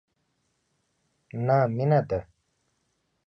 نه مینه ده،